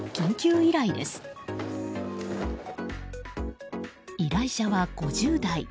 依頼者は５０代。